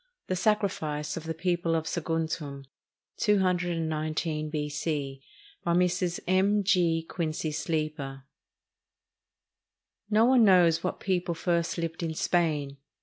THE SACRIFICE OF THE PEOPLE OF SAGUNTUM [219 B.C.] BY MRS. M. G. QUINCY SLEEPER No one knows what people first lived in Spain.